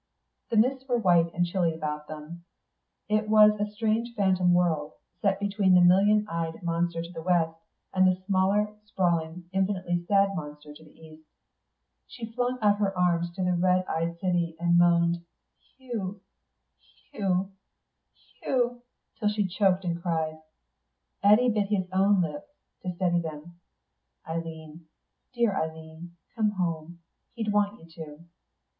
The mists were white and chilly about them; it was a strange phantom world, set between the million eyed monster to the west, and the smaller, sprawling, infinitely sad monster to the east. She flung out her arms to the red eyed city, and moaned, "Hugh, Hugh, Hugh," till she choked and cried. Eddy bit his own lips to steady them. "Eileen dear Eileen come home. He'd want you to."